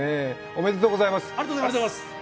おめでとうございます。